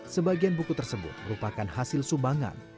sebagian buku tersebut merupakan hasil sumbangan